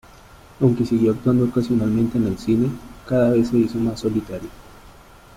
Aunque siguió actuando ocasionalmente en el cine, cada vez se hizo más solitario.